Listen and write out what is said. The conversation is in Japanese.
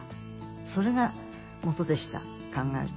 それがもとでした考えると。